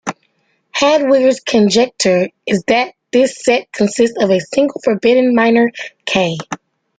Hadwiger's conjecture is that this set consists of a single forbidden minor, "K".